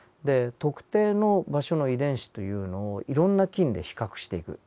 で特定の場所の遺伝子というのをいろんな菌で比較していく。